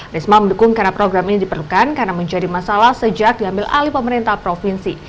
risma mendukung karena program ini diperlukan karena menjadi masalah sejak diambil alih pemerintah provinsi